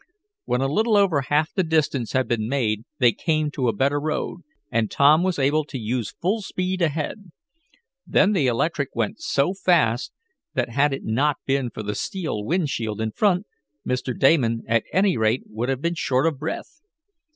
When a little over half the distance had been made they came to a better road, and Tom was able to use full speed ahead. Then the electric went so fast that, had it not been for the steel wind shield in front, Mr. Damon, at any rate, would have been short of breath.